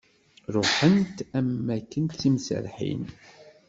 Ruḥent am waken d timserrḥin.